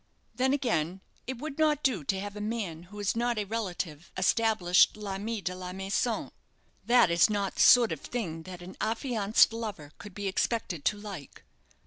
Then again, it would not do to have a man, who is not a relative, established l'ami de la maison. That it is not the sort of thing that an affianced lover could be expected to like.